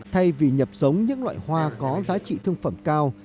thay vì nhập giống những loại hoa có giá trị thương phẩm cao